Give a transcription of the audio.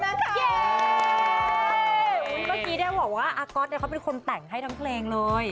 เมื่อกี้บอกว่าอาก๊อตเขาเป็นคนแต่งให้ทั้งเพลงเลย